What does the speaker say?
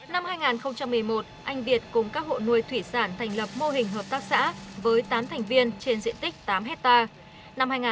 năm hai nghìn một mươi một anh việt cùng các hộ nuôi thủy sản thành lập mô hình hợp tác xã với tám thành viên trên diện tích tám hectare